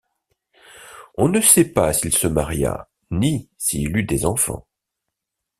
On ne sait pas s'il se maria, ni s'il eut des enfants.